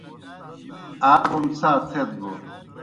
آ کوْم څھا تھیت بوْ